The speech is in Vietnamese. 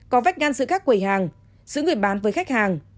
có vách ngăn giữa các quầy hàng giữ người bán với khách hàng